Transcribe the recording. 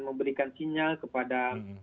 memberikan sinyal kepada